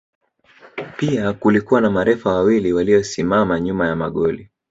Pia kulikuwa na marefa wawili waliosimama nyuma ya magoli